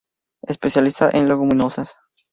Especialista en leguminosas.